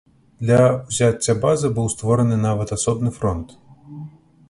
Для ўзяцця базы быў створаны нават асобны фронт.